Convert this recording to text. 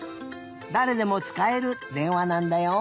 だれでもつかえるでんわなんだよ。